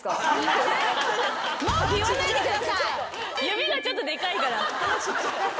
「指」がちょっとでかいから。